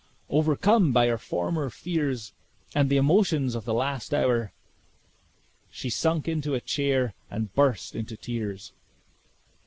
Overcome by her former fears and the emotions of the last hour, she sunk into a chair and burst into tears.